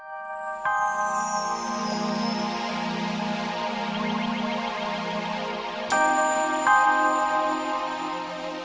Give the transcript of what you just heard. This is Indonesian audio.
beri tahu di komentar